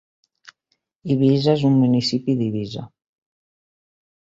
Eivissa és un municipi d'Eivissa.